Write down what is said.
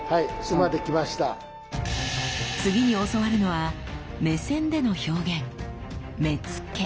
次に教わるのは目線での表現